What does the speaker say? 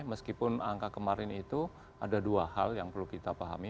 meskipun angka kemarin itu ada dua hal yang perlu kita pahami